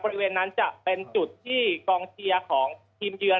บริเวณนั้นจะเป็นจุดที่กองเชียร์ของทีมเยือน